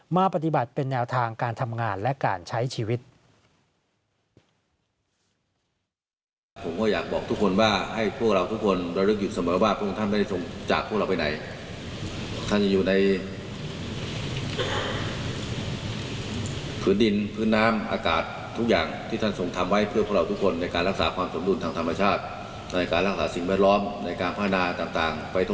มาปฏิบัติเป็นแนวทางการทำงานและการใช้ชีวิต